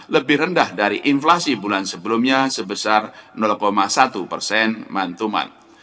lebih rendah dari inflasi bulan sebelumnya sebesar satu mantuman